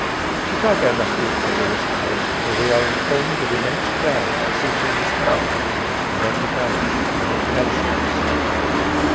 Chicago must be a credulous place, for we are informed of immense crowds besieging this man, and undergoing his manipulations.